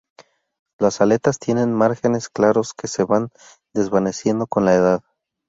Las aletas tienen márgenes claros que se van desvaneciendo con la edad.